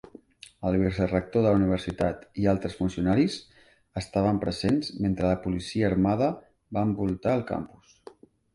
El vicerector de la universitat i altres funcionaris estaven presents mentre la policia armada va envoltar el campus.